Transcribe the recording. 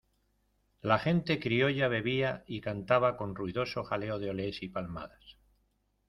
la gente criolla bebía y cantaba con ruidoso jaleo de olés y palmadas.